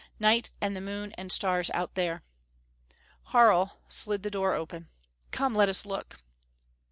Night, and the moon and stars out there. Harl slid the door open. "Come, let us look."